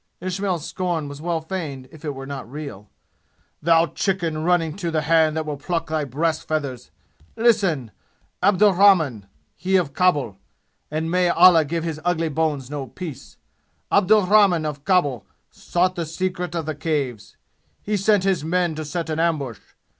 Ismail's scorn was well feigned if it was not real. "Thou chicken running to the hand that will pluck thy breast feathers! Listen! Abdurrahman he of Khabul and may Allah give his ugly bones no peace! Abdurrahman of Khabul sought the secret of the Caves. He sent his men to set an ambush.